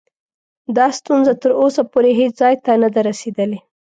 دا ستونزه تر اوسه پورې هیڅ ځای ته نه ده رسېدلې.